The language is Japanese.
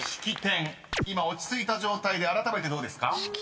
［今落ち着いた状態であらためてどうですか？］